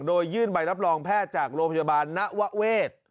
โดยยื่นใบรับรองแพทย์จากโรงพยาบาลนวเวศ